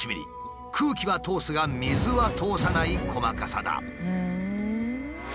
空気は通すが水は通さない細かさだ。